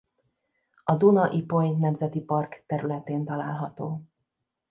A Duna–Ipoly Nemzeti Park területén található.